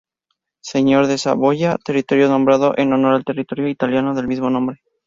Señor de Saboya, territorio nombrado en honor al territorio italiano del mismo nombre.